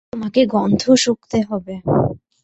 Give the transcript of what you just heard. তোমাকে গন্ধ শুঁকতে হবে।